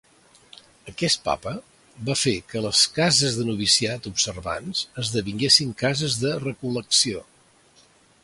Aquest papa va fer que les cases de noviciat observants esdevinguessin cases de recol·lecció.